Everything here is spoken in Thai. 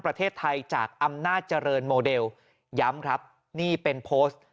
ประเทศไทยจากอำนาจเจริญโมเดลย้ำครับนี่เป็นโพสต์